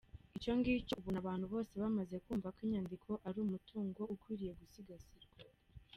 Icyo ngicyo ubona abantu bose bamaze kumva ko inyandiko ari umutungo ukwiriye gusigasirwa.